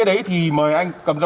đấy anh thổi đi ạ